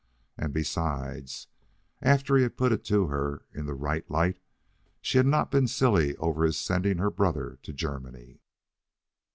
And besides, after he had put it to her in the right light, she had not been silly over his sending her brother to Germany.